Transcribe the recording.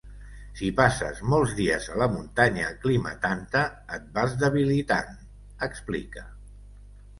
Si passes molts dies a la muntanya aclimatant-te, et vas debilitant, explica.